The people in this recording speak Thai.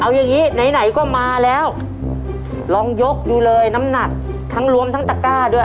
เอาอย่างงี้ไหนไหนก็มาแล้วลองยกดูเลยน้ำหนักทั้งรวมทั้งตะก้าด้วย